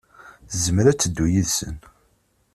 Tezmer ad teddu yid-sen.